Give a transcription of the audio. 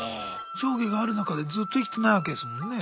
上下がある中でずっと生きてないわけですもんね。